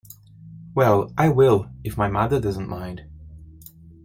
Well, I will, if mother doesn't mind.